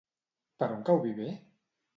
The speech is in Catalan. Per on cau Viver?